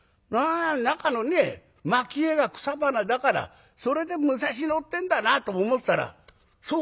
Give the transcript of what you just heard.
中のね蒔絵が草花だからそれで武蔵野ってんだなと思ってたらそうじゃないんだそうですよ。